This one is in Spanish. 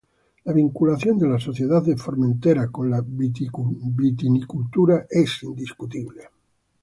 La vinculación de la sociedad de Formentera con la vitivinicultura es indiscutible.